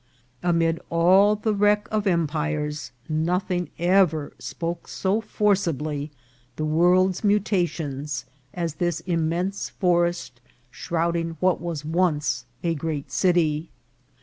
Amid all the wreck of empires, nothing ever spoke so forcibly the world's mu tations as this immense forest shrouding what was once a great city.